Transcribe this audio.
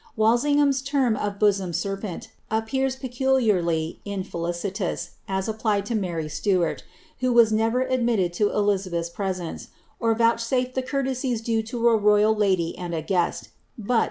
WalsingbaLn's lenn of ''bosom serpent" appears peculiarly infelici tous as applied to Mury Siuart, who was never admitted to Elizabeth's presence, or vouchsafed the courtesies due lo a royal lady and a giifi. but.